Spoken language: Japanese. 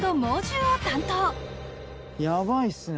ヤバいっすね。